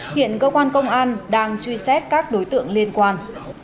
hiện cơ quan công an đang truy xét các đối tượng liên quan